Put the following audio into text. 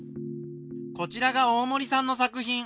こちらが大森さんの作品。